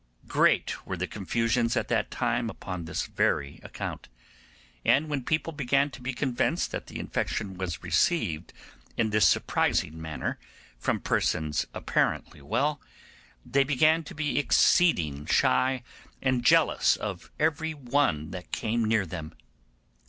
Great were the confusions at that time upon this very account, and when people began to be convinced that the infection was received in this surprising manner from persons apparently well, they began to be exceeding shy and jealous of every one that came near them.